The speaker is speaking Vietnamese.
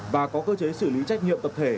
và có cơ chế xử lý trách nhiệm tập thể